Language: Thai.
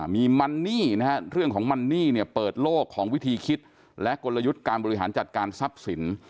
มีมันนี่นะฮะเรื่องของมันนี่เนี่ยเปิดโลกของวิธีคิดและกลยุทธ์การบริหารจัดการทรัพย์สิน